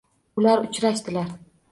Ular uchrashdilar